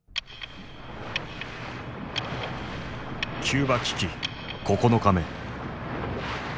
キューバ危機９日目。